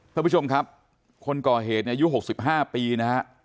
เพื่อผู้ชมครับคนก่อเหตุอายุหกสิบห้าปีนะฮะ